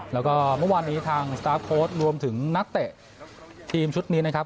แล้วก็เมื่อวานนี้ทางสตาร์ฟโค้ดรวมถึงนักเตะทีมชุดนี้นะครับ